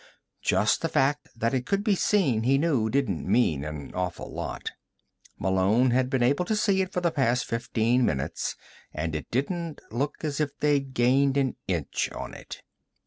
Just the fact that it could be seen, he knew, didn't mean an awful lot. Malone had been able to see it for the past fifteen minutes, and it didn't look as if they'd gained an inch on it.